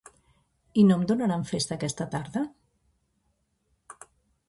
I no em donaran festa aquesta tarda?